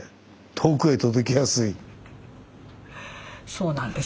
そうなんです。